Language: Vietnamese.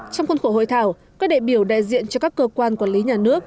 trong khuôn khổ hội thảo các đệ biểu đại diện cho các cơ quan quản lý nhà nước